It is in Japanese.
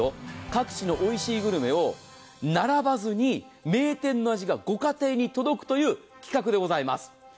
各地のおいしいグルメを並ばずに名店の味がご家庭に届くという企画でございます。